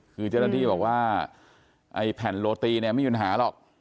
คือเจ้าหน้าที่บอกว่าไอ้แผ่นโรตีเนี่ยไม่มีปัญหาหรอก